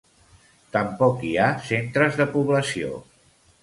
Tampoc hi ha centres de població.